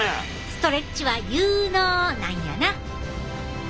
ストレッチは有ＮＯなんやな！